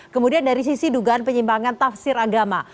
kemudian dari sisi dugaan penyimpangan tafsir agama